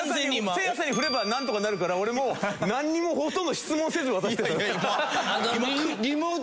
せいやさんに振ればなんとかなるから俺もうなんにもほとんど質問せず渡したから。